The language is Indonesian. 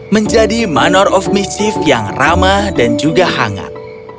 menjadi manor of missive yang ramah dan juga hangat